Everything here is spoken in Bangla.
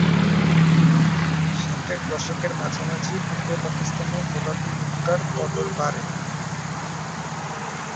ষাটের দশকের মাঝামাঝি পূর্ব পাকিস্তানে গোলাপি মুক্তার কদর বাড়ে।